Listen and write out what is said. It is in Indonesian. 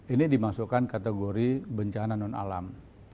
ini dimasukkan kategori bencana non alam